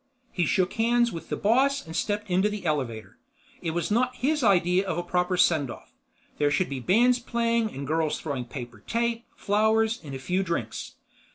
He shook hands with the boss and stepped into the elevator. It was not his idea of a proper send off. There should be bands playing and girls throwing paper tape, flowers and a few drinks.